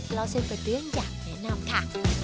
เล่าเส้นเป็นเรื่องอยากแนะนำค่ะ